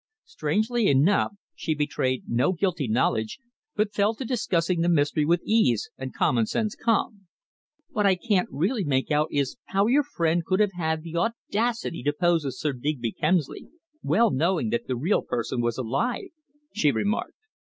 Strangely enough, she betrayed no guilty knowledge, but fell to discussing the mystery with ease and common sense calm. "What I can't really make out is how your friend could have had the audacity to pose as Sir Digby Kemsley, well knowing that the real person was alive," she remarked.